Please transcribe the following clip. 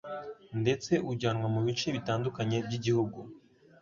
ndetse ujyanwa mu bice bitandukanye by'igihugu.